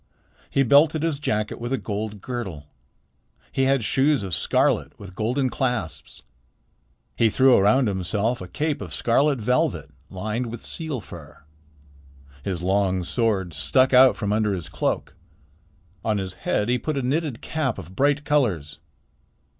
He belted his jacket with a gold girdle. He had shoes of scarlet with golden clasps. He threw around himself a cape of scarlet velvet lined with seal fur. His long sword stuck out from under his cloak. On his head he put a knitted cap of bright colors.